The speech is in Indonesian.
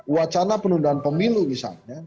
wacana penundaan pemilu misalnya